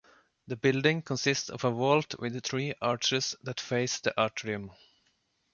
The building consists of a vault with three arches that face the atrium.